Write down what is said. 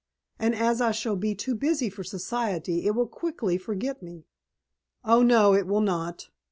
And as I shall be too busy for Society it will quickly forget me." "Oh, no, it will not.